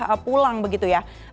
sudah pulang begitu ya